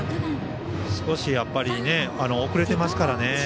少し遅れてますからね。